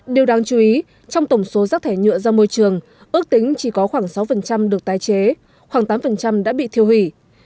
điều đáng chú ý trong tổng số rác thải nhựa ra môi trường ước tính chỉ có khoảng sáu được tái chế khoảng tám đã bị thiêu hủy